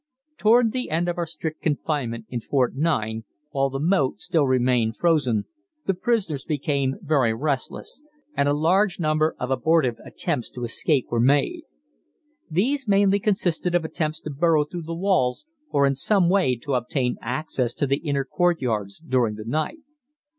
Towards the end of our strict confinement in Fort 9, while the moat still remained frozen, the prisoners became very restless and a large number of abortive attempts to escape were made. These mainly consisted of attempts to burrow through the walls or in some way to obtain access to the inner courtyards during the night.